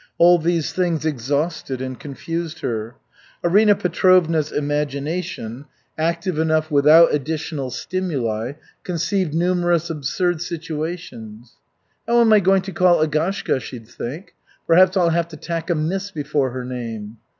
All these things exhausted and confused her. Arina Petrovna's imagination, active enough without additional stimuli, conceived numerous absurd situations. "How am I going to call Agashka?" she'd think. "Perhaps I'll have to tack a 'Miss' before her name."